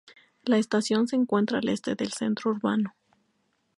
La estación se encuentra al este del centro urbano.